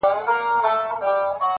ه ستا د سترگو احترام نه دی، نو څه دی~